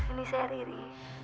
ini saya riri